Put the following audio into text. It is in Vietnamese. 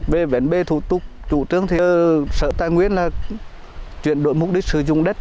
về vấn đề thủ tục chủ tướng thì sở tài nguyên là chuyển đổi mục đích sử dụng đất